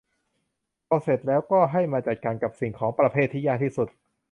พอเสร็จแล้วก็ให้มาจัดการกับสิ่งของประเภทที่ยากที่สุด